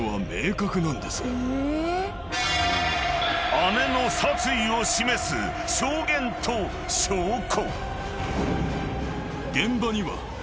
［姉の殺意を示す証言と証拠］